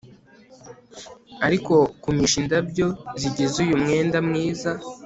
ariko kumisha indabyo zigize uyu mwenda mwiza